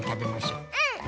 うん！